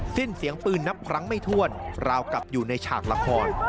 สิ้นเสียงปืนนับครั้งไม่ถ้วนราวกลับอยู่ในฉากละคร